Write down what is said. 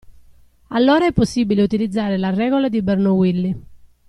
Allora è possibile utilizzare la regola di Bernoulli.